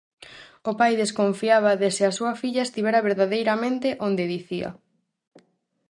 O pai desconfiaba de se a súa filla estivera verdadeiramente onde dicía.